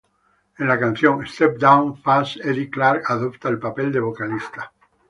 En la canción "Step Down" "Fast" Eddie Clarke adopta el papel de vocalista.